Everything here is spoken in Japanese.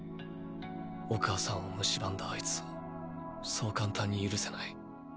お母さんを蝕んだあいつをそう簡単に許せない。